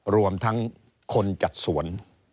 รวมทั้งคนจัดสวน